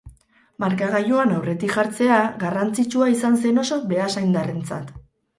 Markagailuan aurretik jartzea garrantzitsua izan zen oso beasaindarrentzat.